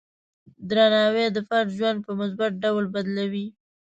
درناوی د فرد ژوند په مثبت ډول بدلوي.